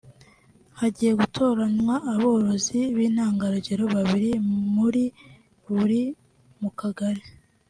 Hagiye hatoranywa aborozi b’intangarugero babiri muri buri mu Kagari